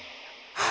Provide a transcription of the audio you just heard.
あ。